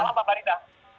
selamat malam pak barita